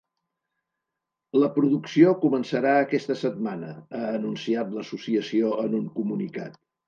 La producció començarà aquesta setmana, ha anunciat l’associació en un comunicat.